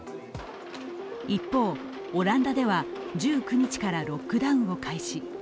一方、オランダでは１９日からロックダウンを開始。